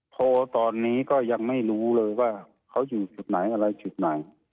โทรตอนนี้ก็ยังไม่รู้เลยว่าเขาอยู่จุดไหนอะไรจุดไหน